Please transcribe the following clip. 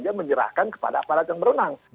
dia menyerahkan kepada aparat yang berenang